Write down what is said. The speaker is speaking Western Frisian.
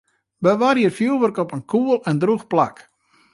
Bewarje it fjoerwurk op in koel en drûch plak.